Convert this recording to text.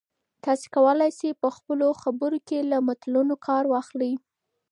تاسي کولای شئ په خپلو خبرو کې له متلونو کار واخلئ.